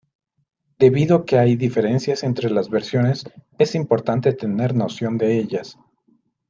Debido a que hay diferencias entre las versiones es importante tener noción de ellas.